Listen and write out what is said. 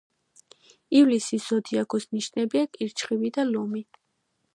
ივლისის ზოდიაქოს ნიშნებია კირჩხიბი და ლომი.